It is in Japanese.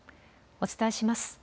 お伝えします。